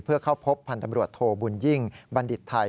เพื่อเข้าพบพันธ์ตำรวจโทบุญยิ่งบัณฑิตไทย